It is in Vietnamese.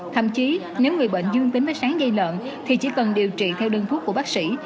thậm chí nếu người bệnh dương tính với sán dây lợn thì chỉ cần điều trị theo đơn thuốc của bác sĩ